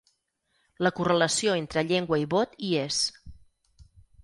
La correlació entre llengua i vot hi és.